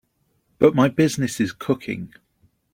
But my business is cooking.